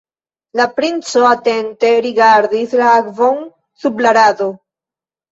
La princo atente rigardis la akvon sub la rado.